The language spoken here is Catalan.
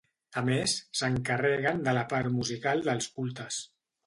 A més, s'encarreguen de la part musical dels cultes.